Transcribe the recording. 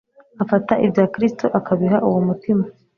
Afata ibya Kristo akabiha uwo mutima.